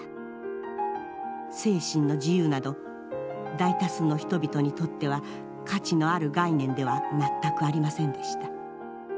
精神の自由など大多数の人々にとっては価値のある概念では全くありませんでした。